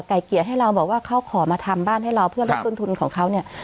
เกียรติให้เราบอกว่าเขาขอมาทำบ้านให้เราเพื่อลดต้นทุนของเขาเนี่ย